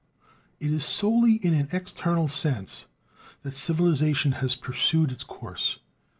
It is solely in an external sense that civilization has pursued its course.